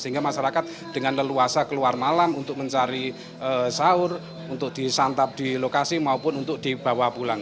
sehingga masyarakat dengan leluasa keluar malam untuk mencari sahur untuk disantap di lokasi maupun untuk dibawa pulang